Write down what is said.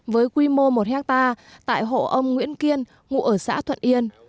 với quy mô một hectare tại hộ ông nguyễn kiên ngụ ở xã thuận yên